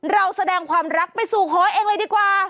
เราแสดงความรักไปสู่หอยเองเลยดีกว่า